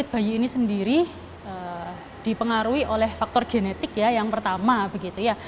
bayi ini sendiri dipengaruhi oleh faktor genetik ya yang pertama begitu ya